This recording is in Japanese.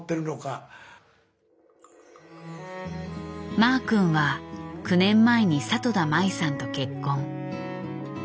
マー君は９年前に里田まいさんと結婚。